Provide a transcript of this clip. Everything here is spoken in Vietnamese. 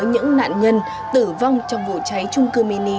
những nạn nhân tử vong trong vụ cháy trung cư mini